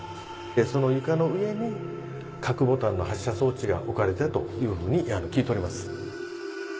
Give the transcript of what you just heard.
その床の上に核ボタンの発射装置が置かれたというふうに聞いております。